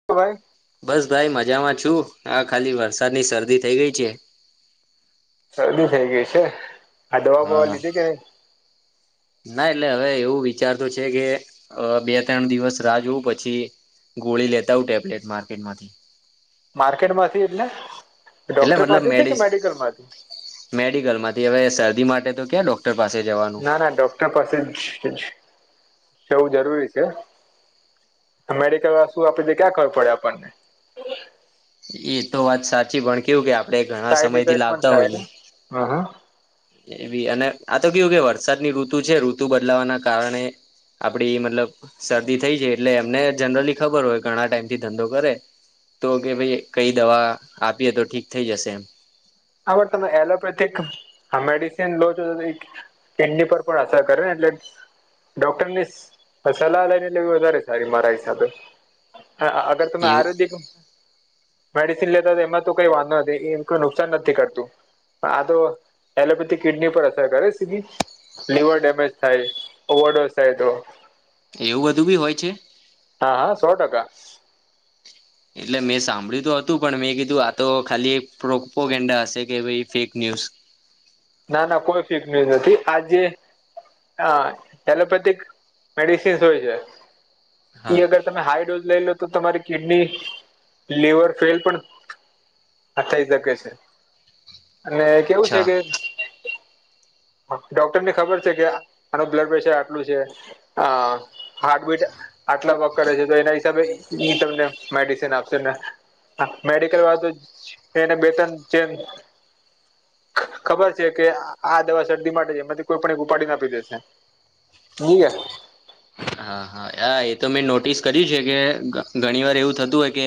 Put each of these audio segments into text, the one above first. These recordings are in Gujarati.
[unintelligible] બસ ભાઈ મજામાં છું આ ખાલી વરસાદની શરદી થઇ ગઈ છે શદી થઈ ગય છે આ દવા બવા હા. લીધી કે નહી ના એટલે હવે એવું વિચાર તો છે કે બે ત્રણ દિવસ રાહ જોવું પછી ગોળી લેતા ટેબલેટ માર્કેટમાંથી માર્કેટમાંથી એટલે એટલે ડોક્ટર મતલબ પાસેથી કે મેડિકલ માંથી મેડિસિન મેડિકલ માંથી હવે શરદી માટે તો ક્યાં ડોક્ટર પાસે જવાનું ના ના ડોક્ટર પાસે જ જવું જરૂરી છે મેડિકલ વા શું આપી દ ક્યાં ખબર પડે આપણને એ તો સાચી પણ કેવું કે આપણે ઘણા સમયથી લાવતા હોઈએ હમ એવી અને આ તો કેવું કે વરસાદની ઋતુ છે ઋતુ બદલાવાના કારણે આપડી મતલબ શરદી થઈ છે એટલે એમને જનરલી ખબર હોય ઘણા ટાઈમથી ધંધો કરે તો કે ભાઈ કઈ દવા આપીએ તો ઠીક થઈ જશે એમ આવર તમે એલોપેથિક આ‌ મેડિસન લો છો તો ઈ કીડની પર પણ અસર કરે ને એટલે ડોક્ટર ની સલાહ લઈને લેવી વધારે સારી મારા હિસાબે હા આ તમે એવું આરવેદીક મેડિસન લેતા એમાં તો કઈ વાંધો નથી એ અસર નથી કરતું પણ આ તો એલોપેથી કિડની પર અસર કરે સીધી લીવર ડેમેજ થાય ઓવરડોઝ થાય તો એવું બધું બી હોય છે. હા હા સો ટકા. એટલે મેં સાંભળ્યું તો હતું પણ મેં કીધું આ તો ખાલી એક પ્રોપોગેન્ડા હશે કે ભાઈ ફેક ન્યુઝ ના ના કોઈ ફેક ન્યુઝ નથી આજે હા એલોપેથિક મેડિસિન્સ હોય છે હા ઈ અગર તમે હાઈ ડોઝ લઈ લો તો તમારી કિડની લિવર ફેલ પણ હા થઇ શકે છે અને કેવું છે અચ્છા કે ડોક્ટરને ખબર છે કે આનું બ્લડ પ્રેશર આટલું છે આ હાર્ટબીટ આટલા વર્ક કરે છે તો એના હિસાબે ઇ તમને મેડિસન આપશે ને મેડિકલ વાળો તો એને બે તણ જેમ ખબર કે આ દવા શરદી માટે છે એમાંથી કોઈ પણ એક ઉપાડી ન આપી દેશે સીયે હા હા હા એ તો મેં નોટિસ કર્યું છે કે ઘણી વાર એવું થતું હોય કે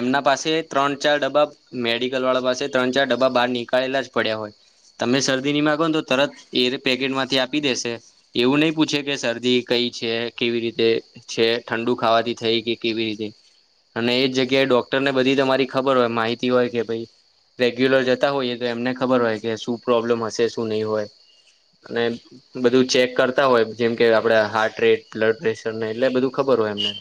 એમના પાસે ત્રણ ચાર ડબ્બા મેડિકલ વાળા પાસે ત્રણ ચાર ડબ્બા બહાર નીકળેલા જ પડ્યા હોય તમે શરદી ની માંગો ને તો તરત એ પેકેટ માંથી આપી દેશે એવું નહી પૂછે કે શરદી કઈ છે. કેવી રીતે છે ઠંડુ ખાવાથી થઈ કે કેવી રીતે અને એજ જગ્યાએ ડોક્ટરને બધી તમારી ખબર હોય માહિતી હોય કે ભઈ રેગ્યુલર જતા હોઈએ તો એમને ખબર હોય કે શું પ્રોબ્લેમ હશે શું નહી હોય અને બધું ચેક કરતા હોય જેમ કે આપડ હાર્ટ રેટ બ્લડ પ્રેશર ને એટલે બધું ખબર હોય એમને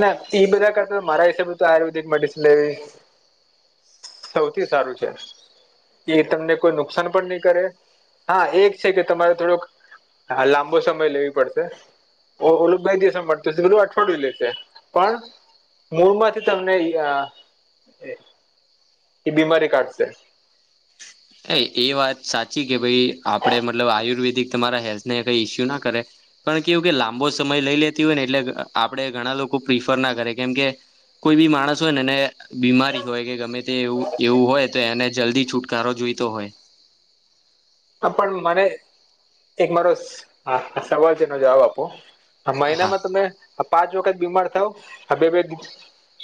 ના ઈ બધા કરતા મારા હિસાબે તો આયુર્વેદિક મેડિસિન લેવી સૌથી સારું છે. એ તમને કોઈ નુકસાન પણ નહી કરે હા એક છે કે તમારે થોડોક હા, લાંબો સમય લેવી પડશે. ઓલું કઈ દિવસે મટશે તો ઓલું અઠવાડિયું લેશે. પણ મૂળ માંથી તમને ઈ આ. ઈ બીમારી કાઢશે. હા એ વાત સાચી કે ભઈ આપડે મતલબ આયુર્વેદિક તમારા હેલ્થને કઈ ઈસ્યુ ના કરે. પણ કેવું કે લાંબો સમય લઈ લેતી હોય ને એટલે આપડે ઘણા લોકો પ્રિફર ના કરે કેમ કે કોઈ બી માણસ હોય ને એને બીમારી હોય કે ગમે તે એવું-એવું હોય તો એને જલ્દી છુટકારો જોઈતો હોય. હા, પણ મને એક મારો સવાલ છે એનો જવાબ આપો. હ, હા મહિનામાં તમે પાંચ વખત બીમાર થાવ આ બે બે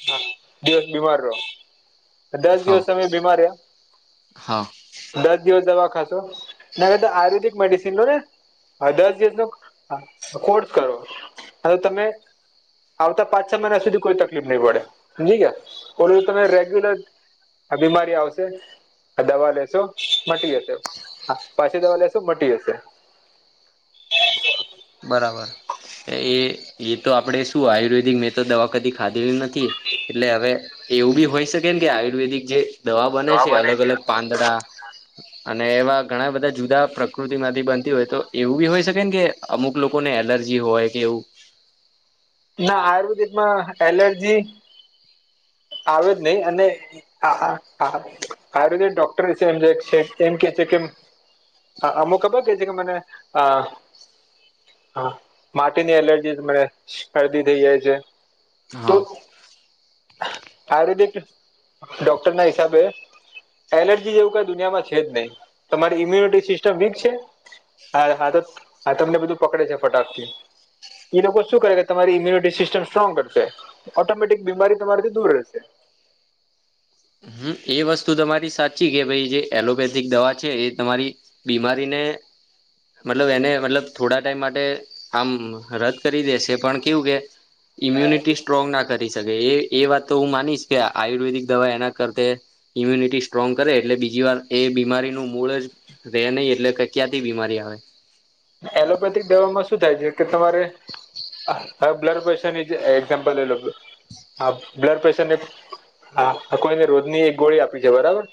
હા, દિવસ બીમાર રહો. દસ હા દિવસ તમે બીમાર રિયા. હા દસ દિવસ દવા ખાશો. એના કરતા આયુર્વેદિક મેડિસન લોને આ દસ દિવસનો કોર્સ કરો. હવે તમે. આવતા પાંચ છ મહિના સુધી કોઈ તકલીફ નહી પડે, હમજી ગ્યા, ઓલું તમે રેગ્યુલર આ બીમારી આવશે, આ દવા લેશો, મટી જશે. હા, પાછી દવા લેસો, મટી જશે. બરાબર, એ-એ તો આપડે શું આયુર્વેદિક મેં તો દવા કદી ખાધેલી નથ થી, એટલે હવે એવું બી હોય શકેને કે આયુર્વેદિક જે દવા બને છે, અલગ- અલગ પાંદડા. અને એવા ઘણા બધા જુદા પ્રકૃતિ માંથી બનતી હોય તો, એવું બી હોય શકેન કે અમુક લોકો ને એલર્જી હોય, કે એવું. ના આયુર્વેદિક માં એલર્જી આવેજ નહી, અને આ આ આ, આયુર્વેદિક ડોક્ટર છે [unintelligible] એમ છે કે છે કે આ અમુક ખબર કે છે કે મને અ હા, માટીની એલર્જી થી મને શરદી થઈ જાય છે. તો હા. આયુર્વેદિક, ડૉક્ટર ના હિસાબે. એલર્જી જેવું કઈ દુનિયામાં છે જ નહીં, તમારી ઈમ્યુનિટી સિસ્ટમ વીક છે. હા-હા તો આ તમને બધું પકડે છે, ફટાક થી. એ લોકો શું કરે, તમારી ઇમ્યુનિટી સિસ્ટમ સ્ટ્રોંગ કરશે, ઓટોમેટિક બીમારી તમારાથી દૂર રહેશે. હમ્મ, એ વસ્તુ તમારી સાચી, કે ભઈ જે એલોપેથિક દવા છે, એ તમારી બીમારીને, મતલબ એને મતલબ થોડા ટાઈમ માટે આમ રદ કરી દેશે, પણ કેવું કે. ઇમ્યુનિટી સ્ટ્રોંગ ના કરી શકે, એ -એ વાત તો હું માનીશ કે, આયુર્વેદિક દવા એના કરતે, ઇમ્યુનિટી સ્ટ્રોંગ કરે, એટલે બીજી વાર એ બીમારીનું મૂળ જ રેહ નહી, એટલે કે ક્યાંથી બીમારી આવે. એલોપેથિક દવામાં શું થાય છે, કે તમારે હવે બ્લડ પ્રેશર ની એક્ઝામ્પલ લે લો. હા બ્લડ પ્રેશર ને હા, કોઈને રોજ ની એક ગોળી આપી છે, બરાબર.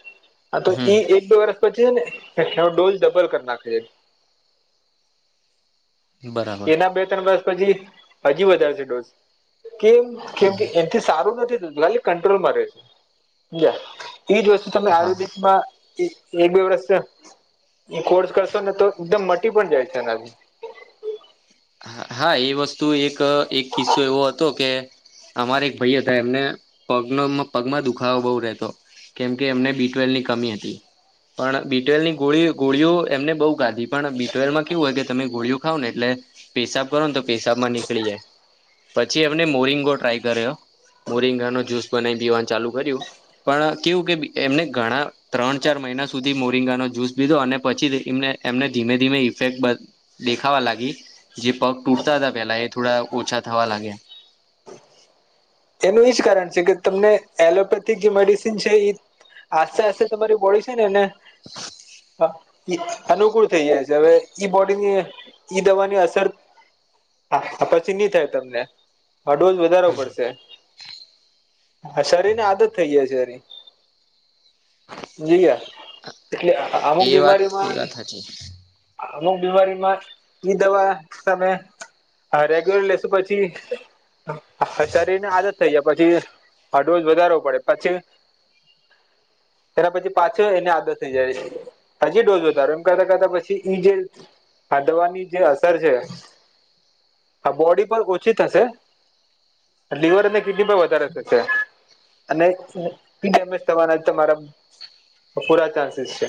હા, તો ઈ હમ એક બે વર્ષ પછી છે ને, એનો ડોઝ ડબલ કરી નાખે છે. બરાબર એના બે ત્રણ વર્ષ પછી હજી વધારશે ડોઝ. કેમ? કેમ કે એનથી સારું નથી થતું, ખાલી કંટ્રોલમાં રહે છે. એજ વસ્તુ તમે હા આયુર્વેદિક માં એક બે વર્ષ થ્યાં. હુ કોર્સ કરશો ને તો એકદમ મટી પણ જાય છે, એનાથી. હા, એ વસ્તુ એક -એક કિસ્સો એવો હતો કે. અમારે એક ભઈ હતા, એમને પગનો પગમાં દુખાવો બહુ રહેતો. કેમકે એમને બી ટ્વેલની કમી હતી. પણ બીટવેલની ગોળી ગોળીઓ એમને બહુ ગાધી, પણ બીટવેલમાં કેવું હોય કે, તમે ગોળીઓ ખાવ ને એટલે પેશાબ કરોને તો પેશાબમાં નીકળી જાય, પછી એમને મોરિંગો ટ્રાય કર્યો. મોરિંગા નો જુસ બનાવીને પીવાનું ચાલુ કર્યું. પણ કેવું કે એમને ઘણા, ત્રણ ચાર મહિના સુધી મોરિંગાનો જ્યુસ લીધો, અને પછી એમને એમને ધીમે ધીમે ઇફેક્ટ, બ દેખાવા લાગી. જે પગ તૂટતા હતા પેલા, એ થોડા ઓછા થવા લાગ્યા. એનું એજ કારણ છે કે, તમને એલોપે થી જે મેડિસન છે એ, આસ્તે આસ્તે તમારી બોડી છે, એને [inaudible] હ અનુકૂળ [inaudible] થઈ જાય છે હવે ઈ બોડીની ઈ દવાની અસર હા [inaudible] પછીની થાય તમને આ ડોઝ વધારો પડશે. હા શરીર ને આદત થઈ જાય. [unintelligible] એટલે [inaudible] અમુક એ વાત એ બીમારીમાં વાત સાચી અમુક [inaudible] બીમારીમાં ઈ દવા તમે હા રેગ્યુલર લેશુ પછી [inaudible] અસર આદત થઈ જાય પછી હ ડોઝ વધારવો પડે પછી તેના પછી પાછો એને આદત થઈ [inaudible] જાય. હજી ડોઝ વધારો એમ કરતા કરતા પછી ઈ જે હા દવાની જે અસર છે આ બોડી પર ઓછી થશે લિવર [inaudible] અને કિડની પણ વધારે થશે [inaudible] અને ડેમેજ થવાના તમારા પૂરા ચાન્સીસ છે.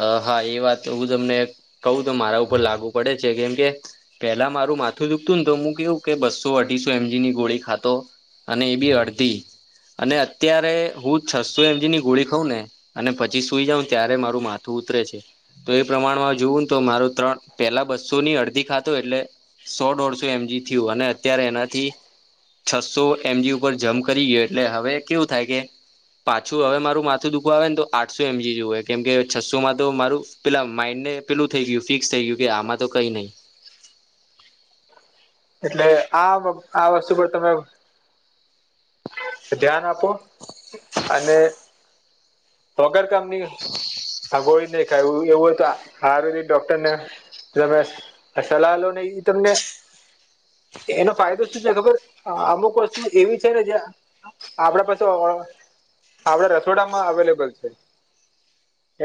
અ હા એ વાત હું તમને કવું તો મારા ઉપર લાગુ પડે છે કેમ કે પેલા મારું માથું દુખતું ને તો હું કેવું કે બસો અઢીસો એમજીની ગોળી ખાતો અને એ બી અડધી અને અત્યારે હું છસો એમજીની ગોળી ખઉં ને અને પછી સુઈ જાઉં ત્યારે મારું માથું ઉતરે છે તો એ પ્રમાણમાં જોવુંને તો મારું ત્રણ પેલા બસો ની અડધી ખાતું એટલે સો દોઢસો એમજી થયું અને અત્યારે એનાથી છસો એમજી ઉપર જમ કરી ગયો એટલે હવે કેવું થાય કે પાછું હવે મારું માથું દુખવા આવે ને તો આઠસો એમજી જોએ કેમ કે છસોમાં તો મારું પેલા માઈન્ડને પેલું થઈ ગયું ફિક્સ થઈ ગયું કે આમાં તો કઈ નહી. એટલે આ આ વસ્તુ પણ તમે ધ્યાન આપો અને વગર કામની હ ગોળી નહી ખાવી એવું હોય તો આયુર્વેદિક ડોક્ટર ને જ્યારે તમે સલાહ લો ની તમને એનો ફાયદો શું છે ખબર અમુક વસ્તુ એવી છે ને જે આપડા પાસે આપડા રસોડામાં અવેલેબલ છે.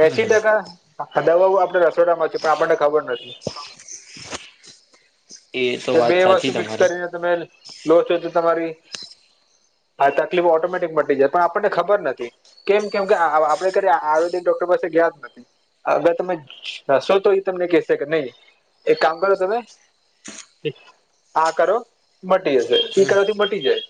એસી ટકા દવાઓ આપણા રસોડામાં છે પણ આપણે ખબર નથી. એ તો બે વાત વસ્તુ સાચી મિક્સ તમારી કરીને તમે લો છો તો તમારી હા તકલીફ ઓટોમેટિક મટી જાય પણ આપણને ખબર નથી. કેમ કે આપડે ક આયુર્વેદિક ડોક્ટર પાસે ગયા જ નથી. અગર તમે જશો તો એ તમને કેશે કે નહી એક કામ કરો તમે આ કરો મટી જશે [inaudible] ઈ કરોથી મટી જાય.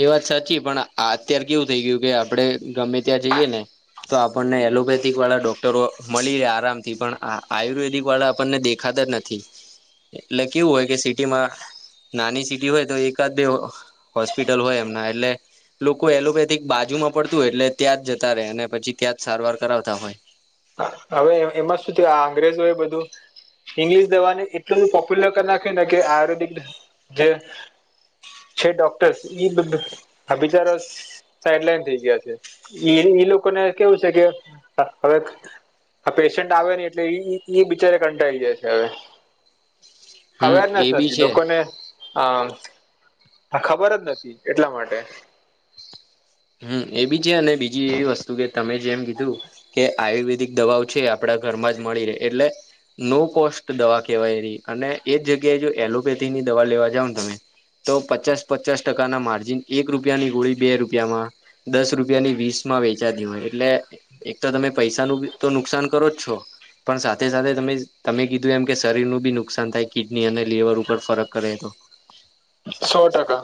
એ વાત સાચી પણ આત્યારે કેવું થઈ ગયું કે આપડે ગમે ત્યાં જઈએ ને તો આપણને એલોપેથિક વાળા ડોક્ટરો [inaudible] મળી રહે આરામ થી પણઆ આયુર્વેદિક વાળા આપણને દેખાતા જ નથી. નથી એટલે કેવું હોય કે સિટીમાં નાની સિટી હોય તો એકાદ બે હોસ્પિટલ હોય એમના એટલે લોકો એલોપેથિક બાજુમાં પડતું હોય એટલે ત્યાં જતા રેય અને પછી ત્યાં જ સારવાર કરાવતા હોય. હવે એમાં શું થયુ આ અંગ્રેજો એ બધું ઈંગ્લિશ દવાને એટલું બધું પોપ્યુલર કરી નાખે ને કે આયુર્વેદિક જે છે ડોક્ટર્સ એ [unintelligible] રસ સાઈડ લાઈન થઈ ગયા છે ઈ ઈ લોકોને કેવું સે કે હવે આ પેશન્ટ આવે નઈ એટલે ઈ ઈ બિચારે કંટાળી જાય છે હવે હમ એ અવેરનેસ બી નથી છે લોકોને હા ખબર જ નથી એટલા માટે હમ્મ એ ભી અને એ બીજી એવી વસ્તુ કે તમે જેમ કીધું. કે આયુર્વેદિક દવાઓ છે આપણા ઘરમાં જ મળી રહે એટલે નો કોસ્ટ દવા કહેવાય [unintelligible] અને એ જગ્યાએ જો એલોપેથી ની દવા લેવા જાવ ને તમે તો પચાસ પચાસ ટકા ના માર્જિન એક રૂપિયાની ગોળી બે રૂપિયા માં દસ રૂપિયા ની વીસ માં વેચાતી હોય એટલે એક તો તમે પૈસા નુ તો નુકસાન કરો જ છો. પણ સાથે સાથે તમે તમે કીધું એમ કે શરીરનું બી નુકસાન થાય કિડની અને લીવર ઉપર ફરક કરે તો. સો ટકા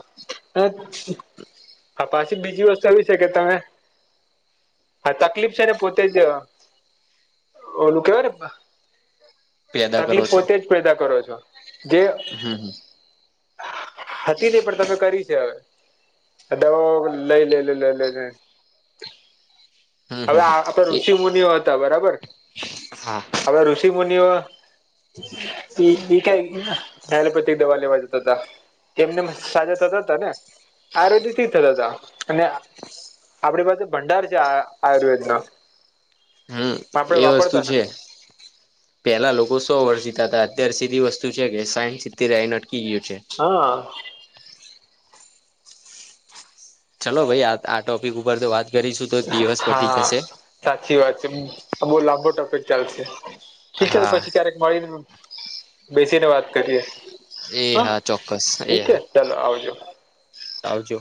આ પાછી બીજી વસ્તુ એવી છે કે તમે આ તકલીફ છે ને પોતે જ ઓલું કેવાય ને પેદા કરો તકલીફ છો પોતે જ પેદા કરો છો જે હમ્મ હતી નહી પણ તમે કરી છે હવે દવા લઈ લે લઈ લઈ લઈ લઈ ને હમ હમ હવે આ તો હમ એ ઋષિમુનિઓ હતા બરાબર હા હવે ઋષિમુનિઓ [unintelligible] એલોપેથિક દવા લેવા જતા હતા. એમ નેમ સાજા થતા હતા ને આરોગ્ય થી થતા તા અને આપણી પાસે ભંડાર છે આ આયુર્વેદ નો હમ્મ આપડે એ વસ્તુ વાપરતા છે. નથી પેલા લોકો સો વર્ષ જીતા હતા અત્યારે સીધી વસ્તુ છે કે સાયઢ સીતેરે આયીને અટકી ગયું છે. હ ચલો ભાઈ આ આ ટોપિક ઉપર તો વાત કરીશું તો દિવસ પતી હા જશે. સાચી વાત છે આ બહુ લાંબો ટોપિક ચાલશે. ઠીક છે તો હા પછી ક્યારેક મળીને બેસીને વાત કરીએ. એ હ હા ચોક્કસ એ ઠીક છે હા ચલો આવજો. આવજો